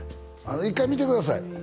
１回見てください